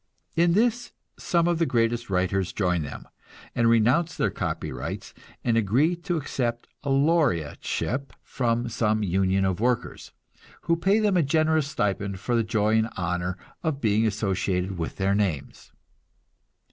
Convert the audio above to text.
In this some of the greatest writers join them, and renounce their copyrights, and agree to accept a laureateship from some union of workers, who pay them a generous stipend for the joy and honor of being associated with their names.